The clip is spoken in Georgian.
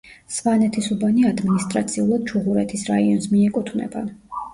სვანეთისუბანი ადმინისტრაციულად ჩუღურეთის რაიონს მიეკუთვნება.